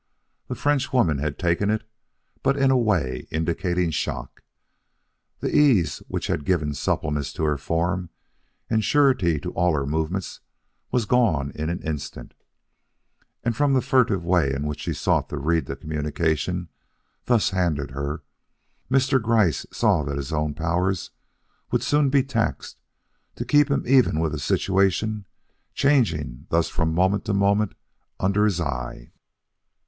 The Frenchwoman had taken it, but in a way indicating shock. The ease which had given suppleness to her form and surety to all her movements was gone in an instant, and from the furtive way in which she sought to read the communication thus handed her Mr. Gryce saw that his own powers would soon be taxed to keep him even with a situation changing thus from moment to moment under his eye.